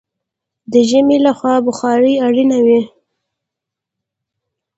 د ژمي له خوا بخارۍ اړینه وي.